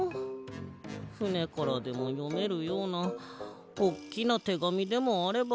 ふねからでもよめるようなおっきなてがみでもあればな。